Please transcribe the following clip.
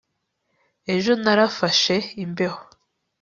Ejo narafashe imbeho